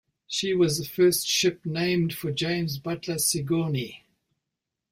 She was the first ship named for James Butler Sigourney.